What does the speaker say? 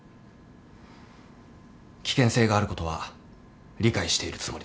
危険性があることは理解しているつもりです。